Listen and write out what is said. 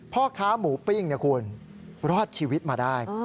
พ่อค้าหมูปิ้งนะคุณรอดชีวิตมาได้